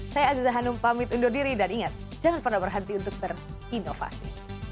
saya aziza hanum pamit undur diri dan ingat jangan pernah berhenti untuk berinovasi